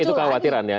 itu khawatiran ya